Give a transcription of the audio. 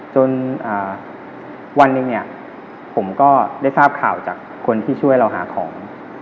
จนวันหนึ่งเนี่ยผมก็ได้ทราบข่าวจากคนที่ช่วยเราหาของ